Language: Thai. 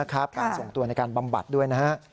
การส่งตัวในการบำบัดด้วยนะฮะ